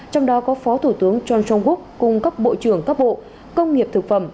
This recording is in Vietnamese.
trong đó có phó thủ tướng john song wook cung cấp bộ trưởng cấp bộ công nghiệp thực phẩm